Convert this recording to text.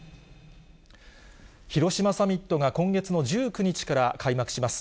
広島サミットが今月の１９日から開幕します。